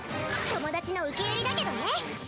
友達の受け売りだけどね。